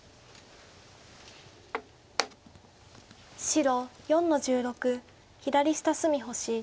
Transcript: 白４の十六左下隅星。